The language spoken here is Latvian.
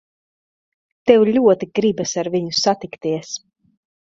Tev ļoti gribas ar viņu satikties.